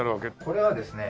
これはですね